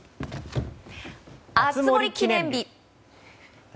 熱盛記念日！